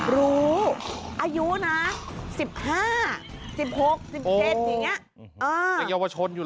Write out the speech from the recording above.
รู้อายุนะสิบห้าสิบหกสิบเทศอย่างนี้